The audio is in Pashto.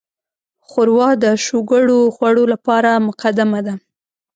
ښوروا د شګوړو خوړو لپاره مقدمه ده.